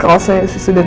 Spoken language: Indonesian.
kalau saya sudah